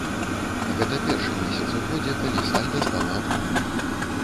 Гэта першы месяц у годзе, калі сальда стала адмоўным.